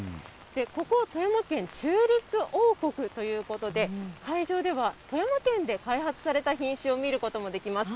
ここ、富山県、チューリップ王国ということで、会場では富山県で開発された品種を見ることもできます。